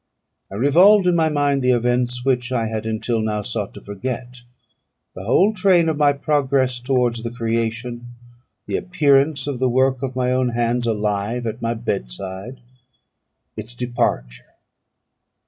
I revolved in my mind the events which I had until now sought to forget: the whole train of my progress towards the creation; the appearance of the work of my own hands alive at my bedside; its departure.